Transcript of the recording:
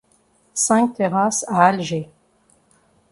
Cinq terrasses à Alger.